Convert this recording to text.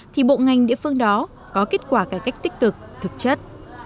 thì bộ ngành địa phương đó có kết quả cải cách tích cực thực chất